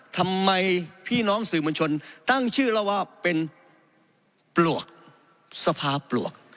ทำไมพี่น้องสื่อบุญชนย์ตั้งชื่อแล้วว่าสภาปลวก